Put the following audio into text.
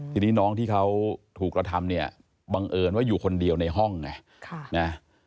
ทีนี้น้องที่เขาถูกกระทำเนี่ยบังเอิญว่าอยู่คนเดียวในห้องไง